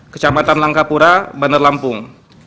kecamatan langkapura bandar lampung